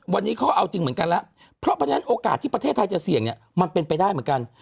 วันนี้เขาก็เอาจริงเหมือนกันแล้วเพราะฉะนั้นโอกาสที่ประเทศไทยจะเสี่ยงเนี่ยมันเป็นไปได้เหมือนกัน